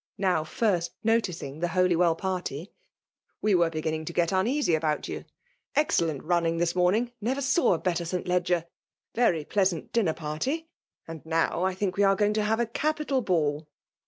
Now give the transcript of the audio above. now first noticing the Haly^ well party ;'^ we were beginning to get unea^ about you. Excellent miming thia morvdiig; never saw a better St. Ledger ;— ^very }deasaat dinner party ; and now« I think we aro going to have a capital ball.